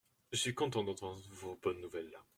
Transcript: Je suis content d’entendre vos bonnes nouvelles.